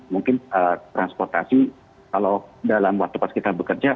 mungkin transportasi kalau dalam waktu pas kita bekerja